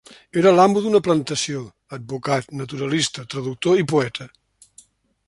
Era l'amo d'una plantació, advocat, naturalista, traductor i poeta.